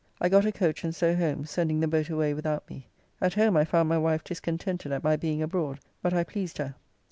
I got a coach and so home, sending the boat away without me. At home I found my wife discontented at my being abroad, but I pleased her.